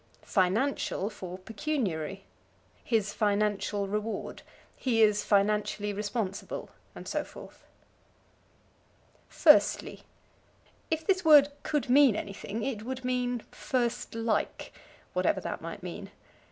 Financial for Pecuniary. "His financial reward"; "he is financially responsible," and so forth. Firstly. If this word could mean anything it would mean firstlike, whatever that might mean.